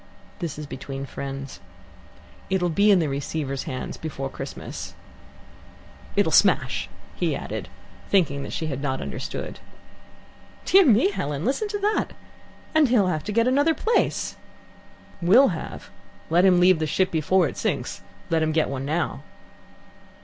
"This is between friends. It'll be in the Receiver's hands before Christmas. It'll smash," he added, thinking that she had not understood. "Dear me, Helen, listen to that. And he'll have to get another place!" "Will have? Let him leave the ship before it sinks. Let him get one now."